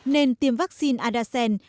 nên tiêm vaccine adacen